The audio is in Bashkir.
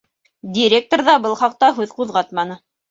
Директор ҙа был хаҡта һүҙ ҡуҙғатманы.